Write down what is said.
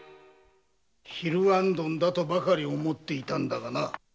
昼行灯だとばかり思っていたんだがな。